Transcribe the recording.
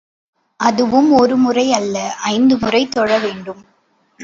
அதுவும் ஒரு முறை அல்ல, ஐந்து முறை தொழ வேண்டும்.